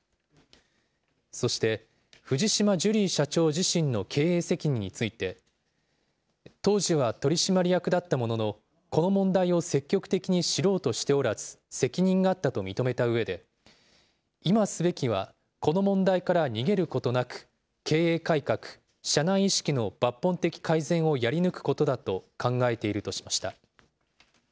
そして、藤島ジュリー社長自身の経営責任について、当時は取締役だったものの、この問題を積極的に知ろうとしておらず、責任があったと認めたうえで、今すべきはこの問題から逃げることなく、経営改革、社内意識の抜本的改善をやり抜くことだと考えているとしました。